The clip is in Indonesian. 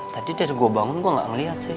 tadi dari gua bangun gua gak ngelihat sih